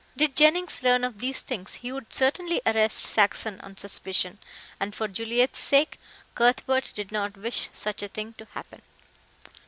Did Jennings learn of these things, he would certainly arrest Saxon on suspicion, and, for Juliet's sake, Cuthbert did not wish such a thing to happen.